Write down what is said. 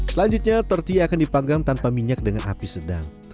selanjutnya tortil akan dipanggang tanpa minyak dengan api sedang